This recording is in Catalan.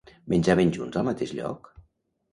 Menjaven junts al mateix lloc?